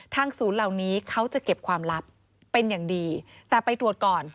ศูนย์เหล่านี้เขาจะเก็บความลับเป็นอย่างดีแต่ไปตรวจก่อน